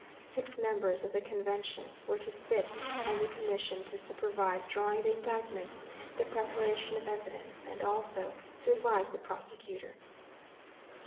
Six members of the Convention were to sit as a commission to supervise drawing the indictments, the preparation of evidence, and also to advise the prosecutor.